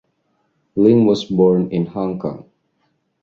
Ling was born in Hong Kong.